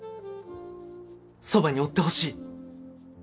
そばにおってほしい。